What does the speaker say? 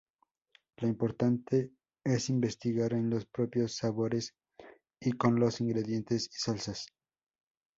Lo importante es investigar en los propios sabores y con los ingredientes y salsas.